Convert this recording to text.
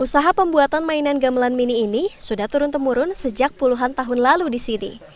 usaha pembuatan mainan gamelan mini ini sudah turun temurun sejak puluhan tahun lalu di sini